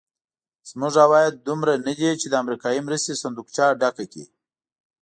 زموږ عواید دومره ندي چې د امریکایي مرستې صندوقچه ډکه کړي.